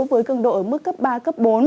với cường độ ở mức cấp ba bốn